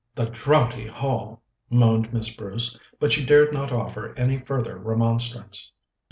"The draughty hall!" moaned Miss Bruce, but she dared not offer any further remonstrance.